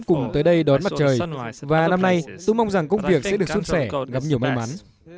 cùng tới đây đón mặt trời và năm nay tôi mong rằng công việc sẽ được xuân sẻ gặp nhiều may mắn